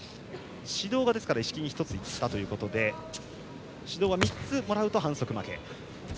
指導が１つ一色に行ったということで指導を３つもらうと反則負け。